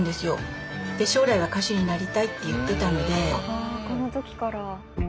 あこの時から。